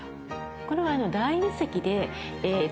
これは。